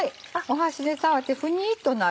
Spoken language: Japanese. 箸で触ってふにっとなる。